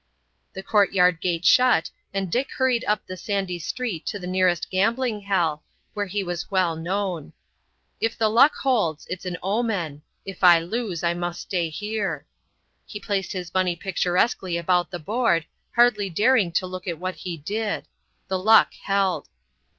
The courtyard gate shut, and Dick hurried up the sandy street to the nearest gambling hell, where he was well known. "If the luck holds, it's an omen; if I lose, I must stay here." He placed his money picturesquely about the board, hardly daring to look at what he did. The luck held.